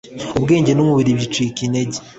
ubwenge n'umubiri bicika intege